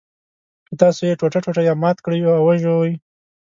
که تاسو یې ټوټه ټوټه یا مات کړئ یا وژوئ.